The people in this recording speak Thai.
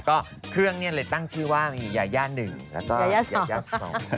ก็เครื่องนี่เลยตั้งชื่อว่ามียาหนึ่งแล้วก็ยาสอง